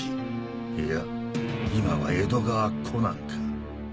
いや今は江戸川コナンか。